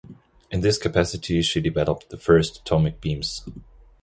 In this capacity she developed the first atomic beams.